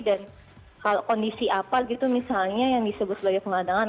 dan kondisi apa gitu misalnya yang disebut sebagai penggelandangan